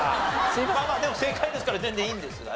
まあまあでも正解ですから全然いいんですがね。